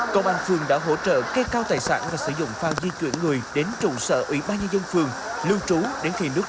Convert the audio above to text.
công an phường đã hỗ trợ kê cao tài sản và sử dụng phang di chuyển người đến trụ sở ủy ba nhân dân phường lưu trú đến khi nước rút